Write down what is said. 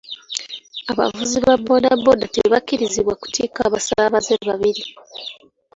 Abavuzi ba boodabooda tebakkirizibwa kutikka basaabaze babiri.